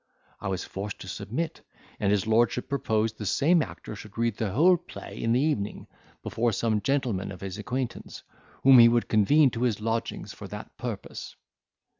I was forced to submit; and his lordship proposed the same actor should read the whole play in the evening, before some gentlemen of his acquaintance, whom he would convene to his lodgings for that purpose.